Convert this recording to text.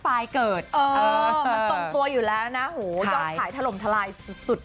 เกิดเออมันทรงตัวอยู่แล้วนะโหยอดขายถล่มทลายสุด